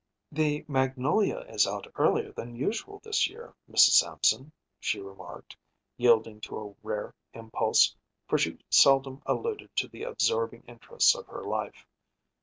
“The magnolia is out earlier than usual this year, Mrs. Sampson,‚ÄĚ she remarked, yielding to a rare impulse, for she seldom alluded to the absorbing interest of her life.